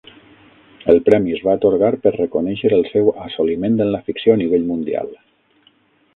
El premi es va atorgar per reconèixer el seu "assoliment en la ficció a nivell mundial".